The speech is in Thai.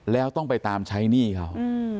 แล้วต้องไปตามใช้หนี้เขา